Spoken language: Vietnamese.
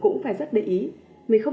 nó có thể kích ứng